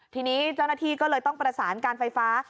ทีนี้เจ้าหน้าที่ก็เลยต้องประสานการไฟฟ้า